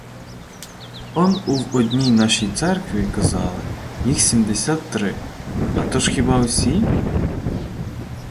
Он ув одній нашій церкві, казали, їх сімдесят три, а то ж хіба усі?